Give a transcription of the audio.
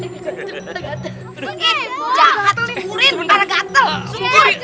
eh jahat kurin benar benar gatel